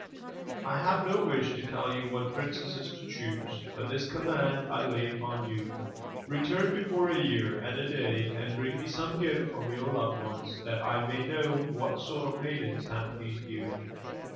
I have no wish to tell you what princesses to choose, but this command I lay upon you — return before a year and a day and bring me some gift from your loved ones, that I may know what sort of maidens have pleased you."